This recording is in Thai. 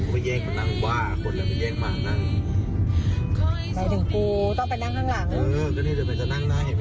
เอ้ยเอาอย่างนี้เลยเหรอ